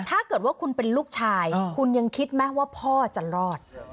ถ้าเกิดว่าคุณเป็นลูกชายคุณยังคิดไหมว่าพ่อจะรอด